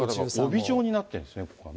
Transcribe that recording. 帯状になってるんですね、ここ。